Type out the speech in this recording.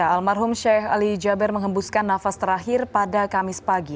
almarhum sheikh ali jaber mengembuskan nafas terakhir pada kamis pagi